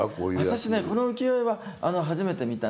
私この浮世絵は初めて見たんですよ。